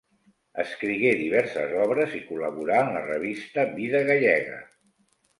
Escrigué diverses obres i col·laborà en la revista Vida Gallega.